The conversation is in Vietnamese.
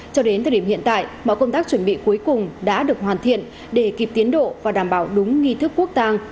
cho đến thời điểm hiện tại mọi công tác chuẩn bị cuối cùng đã được hoàn thiện để kịp tiến độ và đảm bảo đúng nghi thức quốc tàng